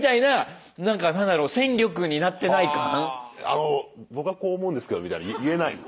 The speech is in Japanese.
「あの僕はこう思うんですけど」みたいの言えないの？